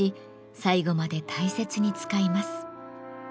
最後まで大切に使います。